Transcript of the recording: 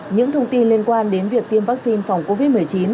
những thông tin liên quan đến việc tiêm vaccine phòng covid một mươi chín